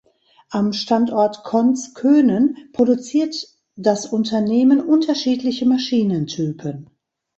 Am Standort Konz-Könen produziert das Unternehmen unterschiedliche Maschinentypen.